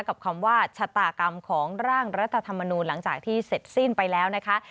คำว่าชะตากรรมของร่างรัฐธรรมนูลหลังจากที่เสร็จสิ้นไปแล้วนะคะ